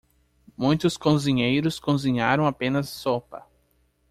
Muitos cozinheiros cozinharam apenas sopa.